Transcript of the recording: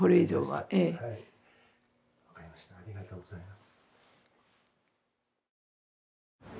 ありがとうございます。